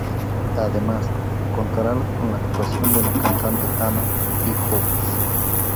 Además, contará con la actuación de la cantante Ana Tijoux.